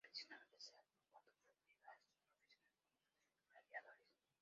Tradicionalmente se ha confundido a estos profesionales con los gladiadores.